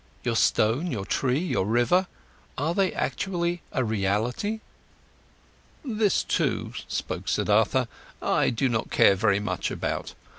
Your stone, your tree, your river—are they actually a reality?" "This too," spoke Siddhartha, "I do not care very much about.